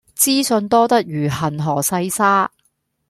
資訊多得如恆河細沙